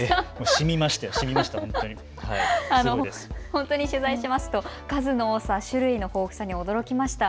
本当に取材しますと数の多さ、種類の豊富さに驚きました。